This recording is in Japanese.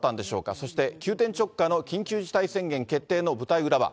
そして急転直下の緊急事態宣言決定の舞台裏は。